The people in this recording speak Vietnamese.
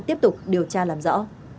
tiếp tục điều tra làm rõ